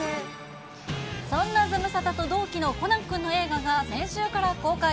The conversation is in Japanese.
そんなズムサタと同期のコナン君の映画が先週から公開。